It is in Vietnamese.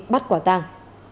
bắt quả tàng